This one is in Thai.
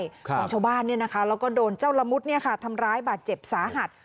ของชาวบ้านเนี่ยนะคะแล้วก็โดนเจ้าละมุดทำร้ายบาดเจ็บสาหัส